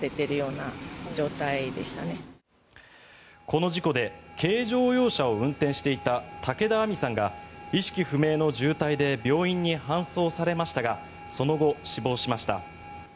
この事故で軽乗用車を運転していた武田杏美さんが意識不明の重体で病院に搬送されましたがその後、死亡しました。